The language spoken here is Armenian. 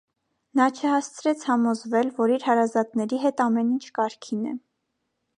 Նա չհասցրեց համոզվել, որ իր հարազատների հետ ամեն ինչ կարգին է։